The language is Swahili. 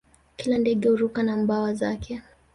Kila ndege huruka na mbawa zake